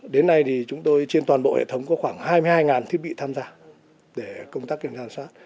đến nay trên toàn bộ hệ thống có khoảng hai mươi hai thiết bị tham gia để công tác kiểm tra giám sát